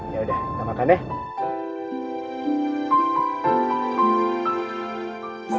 ya udah gak makan ya